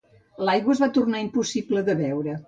L'aigua es va tornar impossible de beure.